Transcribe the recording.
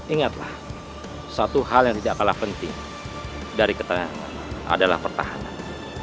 ingatlah satu hal yang tidak kalah penting dari keterangan adalah pertahanan